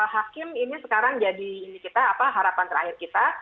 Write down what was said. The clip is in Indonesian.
hakim ini sekarang jadi ini kita harapan terakhir kita